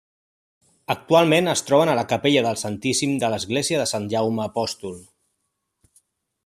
Actualment es troben a la capella del Santíssim de l'Església de Sant Jaume Apòstol.